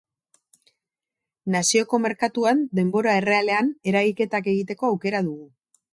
Nazioko Merkatuan denbora errealean eragiketak egiteko aukera dugu.